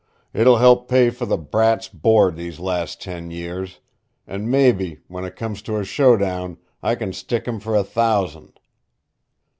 "It'll help pay for the brat's board these last ten years an' mebby, when it comes to a show down, I can stick him for a thousand."